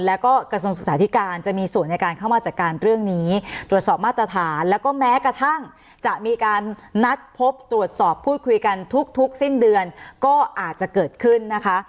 แล้วก็กระทรวงศึกษาธิการจะมีส่วนในการเข้ามาจัดการเรื่องนี้ตรวจสอบมาตรฐานแล้วก็แม้กระทั่งจะมีการนัดพบตรวจสอบพูดคุยกันทุกสิ้นเดือนก็อาจจะเกิดขึ้นนะคะ